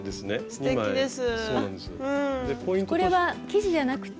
すてきです。